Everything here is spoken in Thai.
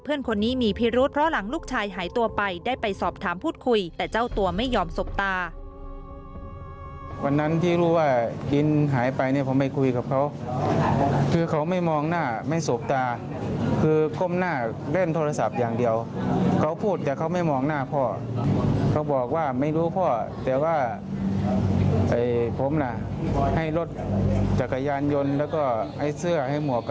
เพราะว่าเขาว่ารถดีนเสียงดังใช่ไหม